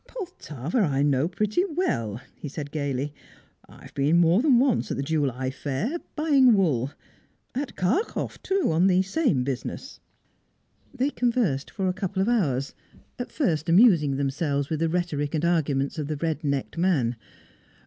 "Poltava I know pretty well," he said gaily. "I've been more than once at the July fair, buying wool. At Kharkoff too, on the same business." They conversed for a couple of hours, at first amusing themselves with the rhetoric and arguments of the red necked man.